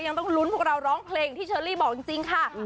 ยังต้องลุ้นพวกเราร้องเพลงที่เชอรี่บอกจริงค่ะ